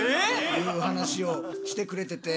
いう話をしてくれてて。